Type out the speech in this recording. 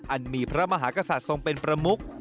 อันมีพระมหากษัตริย์ทรงเป็นประมุก